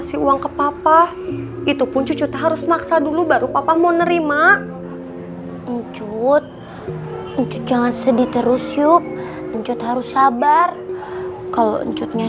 sampai jumpa di video selanjutnya